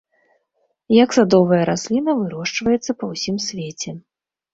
Як садовая расліна вырошчваецца па ўсім свеце.